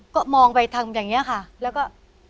ก็มองไปทำอย่างนี้ค่ะแล้วก็